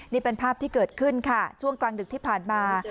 นี่เป็นภาพที่เกิดขึ้นค่ะช่วงกลางดึกที่ผ่านมา